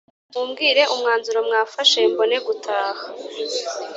Mumbwire umwanzuro mwafashe mbone gutaha